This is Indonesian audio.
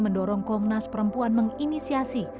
mendorong komnas perempuan menginisiasi